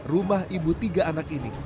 rumah ibu tiga anak ini